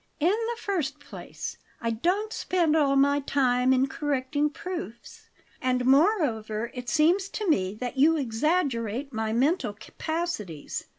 "In the first place, I don't spend all my time in correcting proofs; and moreover it seems to me that you exaggerate my mental capacities.